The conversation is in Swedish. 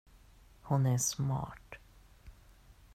Hon är smart.